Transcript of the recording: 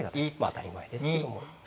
当たり前ですけどもね。